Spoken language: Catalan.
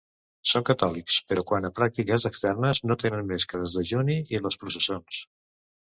Són catòlics, però quant a pràctiques externes no tenen més que desdejuni i les processons.